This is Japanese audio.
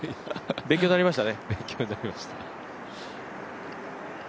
勉強になりました。